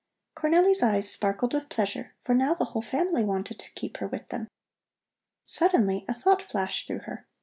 Cornelli's eyes sparkled with pleasure, for now the whole family wanted to keep her with them. Suddenly a thought flashed through her.